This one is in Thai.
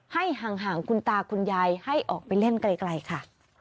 ให้ห่างคุณตาคุณยายให้ออกไปเล่นไกลค่ะ